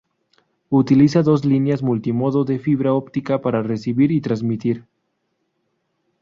Utiliza dos líneas multimodo de fibra óptica para recibir y transmitir.